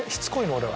俺は。